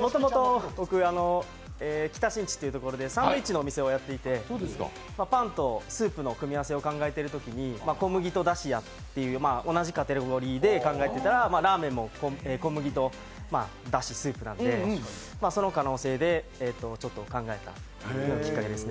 もともと僕北新地っていうところでサンドイッチのお店をやっていてパンとスープの組み合わせを考えているときに、小麦とだしやという、同じカテゴリーで考えていたらラーメンも小麦とだしスープなんで、その可能性でちょっと考えたっていうのがきっかけですね。